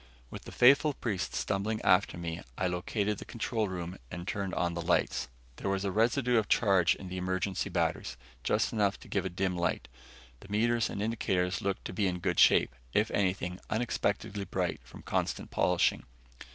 With the faithful priests stumbling after me, I located the control room and turned on the lights. There was a residue of charge in the emergency batteries, just enough to give a dim light. The meters and indicators looked to be in good shape; if anything, unexpectedly bright from constant polishing.